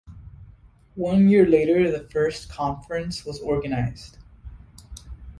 One year later the first conference was organized.